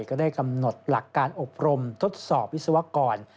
ก็ได้กำหนดหลักการอบรมทดสอบวิศวกร